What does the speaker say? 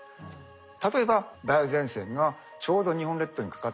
例えば梅雨前線がちょうど日本列島にかかっている。